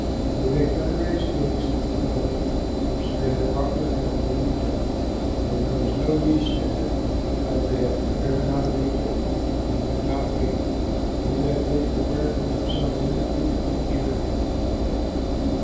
They baked unraised cakes of the dough which they had brought with them from Egypt, for there was no yeast in it, because they had been driven out of Egypt and could not wait, neither had they prepared for themselves any food for the journey.